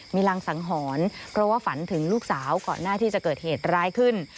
มีรังสังหรณ์เพราะว่าฝันถึงลูกสาวก่อนหน้าที่จะเกิดเหตุร้ายขึ้น